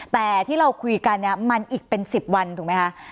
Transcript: แต่ที่เราคุยกันเนี่ยมันอีกเป็น๑๐วันถูกไหมคะ